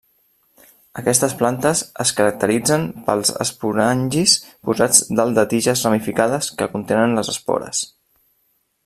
Aquestes plantes es caracteritzen pels esporangis posats dalt de tiges ramificades que contenen les espores.